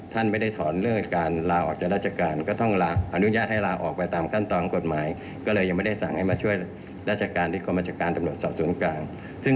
ที่ต้องรับผิดชอบต่อประเทศชาติด้วยกัน